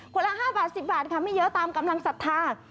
ละ๕บาท๑๐บาทค่ะไม่เยอะตามกำลังศรัทธา